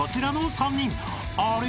［あれ？